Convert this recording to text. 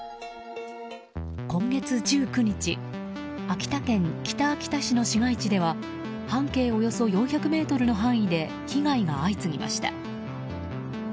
今月１９日秋田県北秋田市の市街地では半径およそ４００ｍの範囲で被害が相次ぎました。